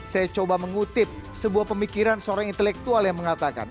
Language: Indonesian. saya coba mengutip sebuah pemikiran seorang intelektual yang mengatakan